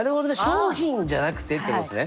商品じゃなくてってことですね！